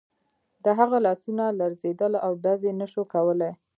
د هغه لاسونه لړزېدل او ډز یې نه شو کولای